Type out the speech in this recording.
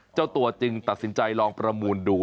เจ้าตัวจึงตัดสินใจลองประมูลดู